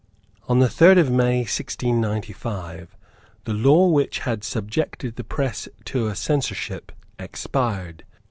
On the third of May 1695 the law which had subjected the press to a censorship expired.